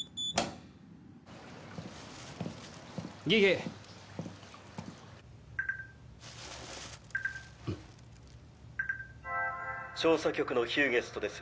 ピピッ調査局のヒューゲストです。